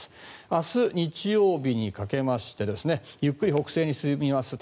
明日日曜日にかけましてゆっくり北西に進みます。